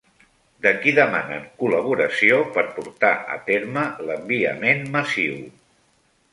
De qui demanen col·laboració per portar a terme l'enviament massiu?